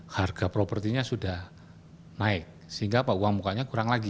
harga propertinya sudah naik sehingga uang mukanya kurang lagi